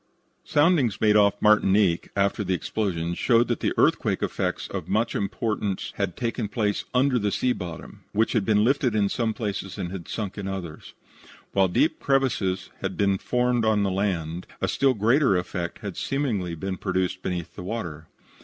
Soundings made off Martinique after the explosion showed that earthquake effects of much importance had taken place under the sea bottom, which had been lifted in some places and had sunk in others. While deep crevices had been formed on the land, a still greater effect had seemingly been produced beneath the water.